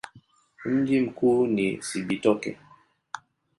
Mji mkuu ni Cibitoke.